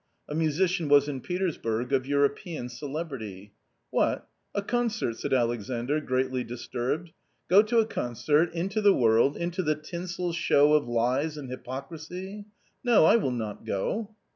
A musician was in Petersburg, of European celebrity. " What ? a concert !" said Alexandr, greatly disturbed, " go to a concert, into the world, into the tinsel show of lies and hypocrisy — no, I will not go."